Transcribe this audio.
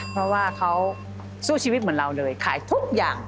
เพราะว่าเขาสู้ชีวิตเหมือนเราเลยขายทุกอย่าง